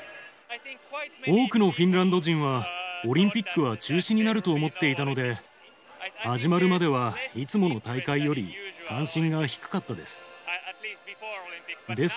多くのフィンランド人は、オリンピックは中止になると思っていたので、始まるまでは、いつもの大会より関心が低かったです。